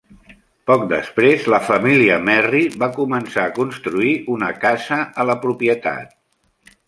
Poc després, la família Merry va començar a construir una casa a la propietat.